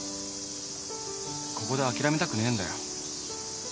ここで諦めたくねえんだよ。